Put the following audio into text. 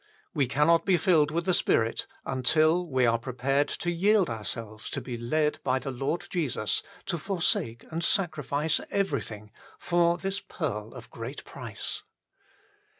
We cannot be filled with the Spirit until we are prepared to yield ourselves to be led by the Lord Jesus to forsake and sacri fice everything for this pearl of great price.